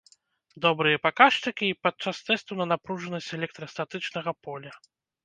Добрыя паказчыкі і пад час тэсту на напружанасць электрастатычнага поля!